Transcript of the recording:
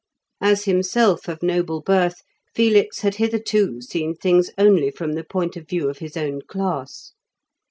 As himself of noble birth, Felix had hitherto seen things only from the point of view of his own class.